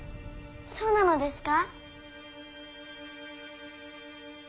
そうなのですか？